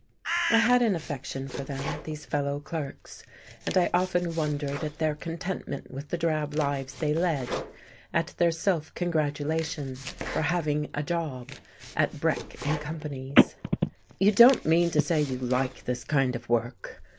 I had an affection for them, these fellow clerks, and I often wondered at their contentment with the drab lives they led, at their self congratulation for "having a job" at Breck and Company's. "You don't mean to say you like this kind of work?"